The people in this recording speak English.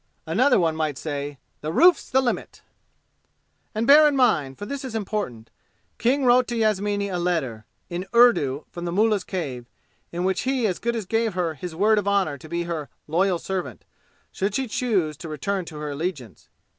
Another one might say, "The roof's the limit!" And bear in mind, for this is important: King wrote to Yasmini a letter, in Urdu from the mullah's cave, in which he as good as gave her his word of honor to be her "loyal servant" should she choose to return to her allegiance.